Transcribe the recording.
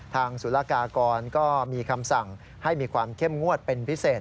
ศุลกากรก็มีคำสั่งให้มีความเข้มงวดเป็นพิเศษ